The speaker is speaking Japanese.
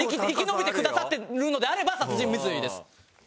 生き延びてくださってるのであれば殺人未遂です。